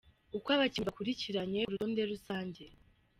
Uko abakinnyi bakurikiranye ku rutonde rusange.